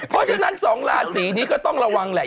เพราะฉะนั้น๒ราศีนี้ก็ต้องระวังแหละ